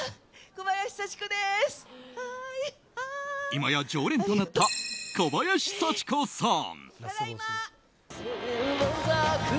今や常連となった小林幸子さん。